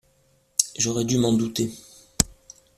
J’aurais dû m’en douter.